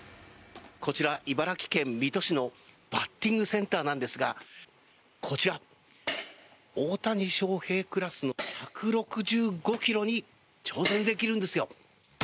こちら、茨城県水戸市のバッティングセンターなんですがこちら大谷翔平クラスの１６５キロに挑戦できるんですよ。